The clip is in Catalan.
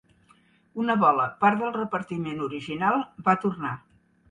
Una bola part del repartiment original va tornar.